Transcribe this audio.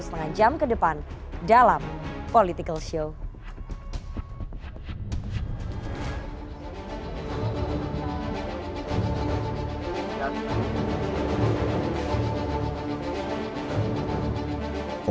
sampai jumpa ke depan dalam political show